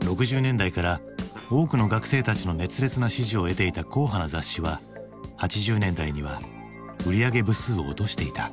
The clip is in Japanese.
６０年代から多くの学生たちの熱烈な支持を得ていた硬派な雑誌は８０年代には売り上げ部数を落としていた。